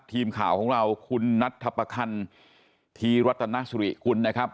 ทีมข่าวของเราคุณนัทธปคันธีรัตนสุริกุลนะครับ